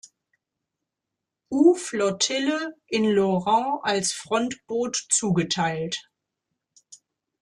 U-Flottille in Lorient als Frontboot zugeteilt.